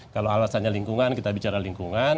kalau alasannya lingkungan kita bicara lingkungan